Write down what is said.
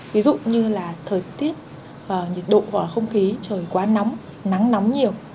ví dụ như là thời tiết nhiệt độ hoặc là không khí trời quá nóng nắng nóng nhiều